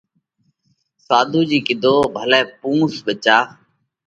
۔ ساڌُو جِي ڪِيڌو: ڀلئہ پُونس ٻچا۔